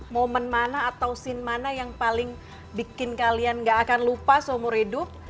momen mana atau scene mana yang paling bikin kalian gak akan lupa seumur hidup